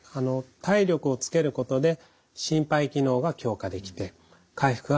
体力をつけることで心肺機能が強化できて回復が早くなります。